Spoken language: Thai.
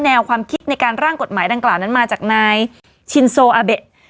แนวความคิดในการร่างกฎหมายดังกล่าวนั้นมาจากนายชินโซอาเบะ